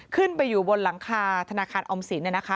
ขึ้นไปอยู่บนหลังคาธนาคารออมสิน